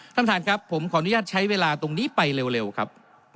ท่านประธานครับผมขออนุญาตใช้เวลาตรงนี้ไปเร็วครับ